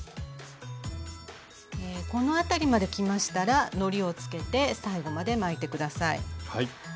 この辺りまできましたらのりをつけて最後まで巻いて下さい。